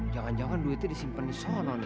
jangan jangan duitnya disimpan disana